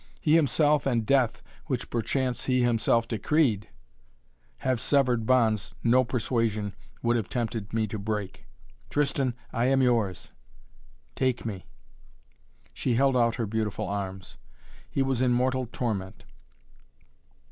He himself and death, which perchance he himself decreed, have severed bonds no persuasion would have tempted me to break. Tristan, I am yours take me." She held out her beautiful arms. He was in mortal torment.